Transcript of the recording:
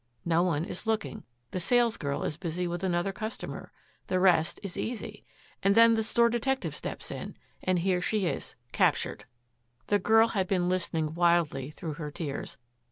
No one is looking. The salesgirl is busy with another customer. The rest is easy. And then the store detective steps in and here she is captured." The girl had been listening wildly through her tears.